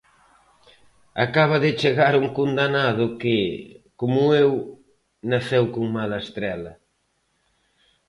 Acaba de chegar un condanado que, como eu, naceu con mala estrela.